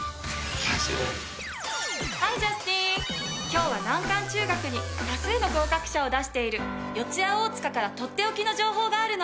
今日は難関中学に多数の合格者を出している四谷大塚からとっておきの情報があるの。